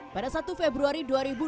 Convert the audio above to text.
pada satu februari dua ribu dua puluh